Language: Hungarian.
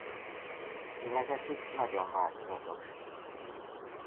Színezetük nagyon változatos.